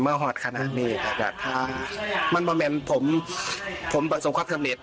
มหอดค่ะนั้นเนี้ยครับกะมันเป็นผมผมประสบความสำเร็จ